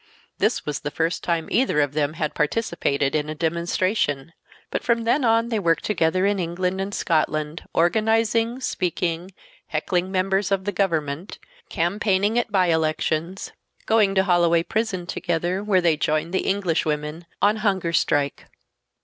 This was the first time either of them had participated in a demonstration. But from then on they worked together in England and Scotland organizing, speaking, heckling members of the government, campaigning at bye elections; going to Holloway Prison together, where they joined the Englishwomen on hunger strike.